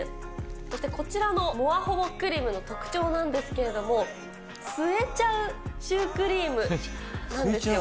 そしてこちらのモアホボクリムの特徴なんですけれども、吸えちゃうシュークリームなんですよ。